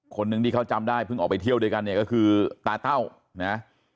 คนหนึ่งที่เขาจำได้เพิ่งออกไปเที่ยวด้วยกันเนี่ยก็คือตาเต้านะ